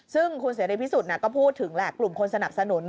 ซึ่งคุณเสร็จในที่สุดก็พูดถึงกลุ่มคนสนับสนุน